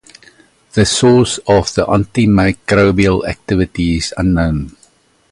The source of the antimicrobial activity is unknown.